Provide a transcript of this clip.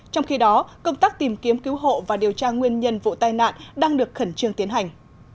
trong khi đó công tác tìm kiếm cứu hộ và điều tra nguyên nhân vụ tai nạn đang được khẩn trương tiến hành